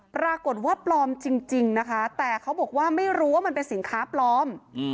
ปรากฏว่าปลอมจริงนะคะแต่เขาบอกว่าไม่รู้ว่ามันเป็นสินค้าปลอม